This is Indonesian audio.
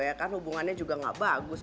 ya kan hubungannya juga nggak bagus